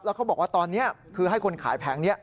แล้วเขาบอกว่าตอนนี้ให้คนขายแผงนี้